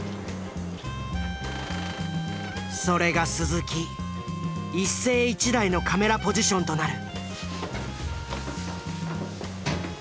それが鈴木一世一代のカメラポジションとなる。